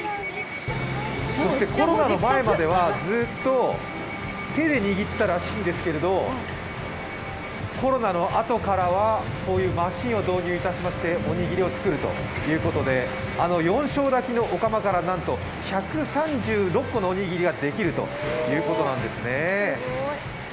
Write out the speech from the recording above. そして、コロナの前まではずっと手で握っていたらしいんですけども、コロナのあとからはこういうマシンを導入しましておにぎりを作るということで、４升炊きのお釜からなんと１３６個のおにぎりができるということなんですね。